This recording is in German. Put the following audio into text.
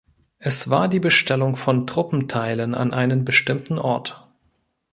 Es war die Bestellung von Truppenteilen an einen bestimmten Ort.